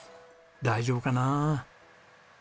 大丈夫かな？